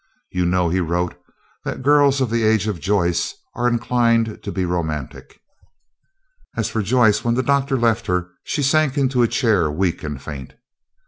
"You know," he wrote, "that girls of the age of Joyce are inclined to be romantic." As for Joyce, when the Doctor left her she sank into a chair weak and faint.